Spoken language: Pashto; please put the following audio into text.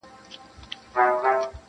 فکر اوچت غواړمه قد خم راکه,